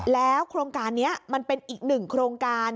โครงการนี้มันเป็นอีกหนึ่งโครงการ